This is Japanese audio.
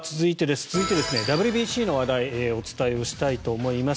続いてはＷＢＣの話題をお伝えしたいと思います。